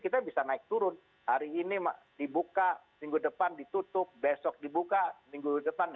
kita bisa naik turun hari ini dibuka minggu depan ditutup besok dibuka minggu depan